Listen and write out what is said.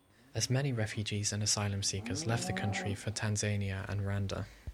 As many refugees and asylum-seekers left the country for Tanzania and Rwanda.